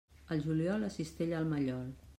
Al juliol, la cistella al mallol.